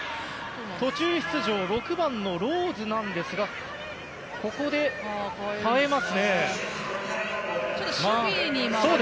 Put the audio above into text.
途中出場、６番のローズですがここで代えますね。